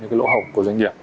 những lỗ hộp của doanh nghiệp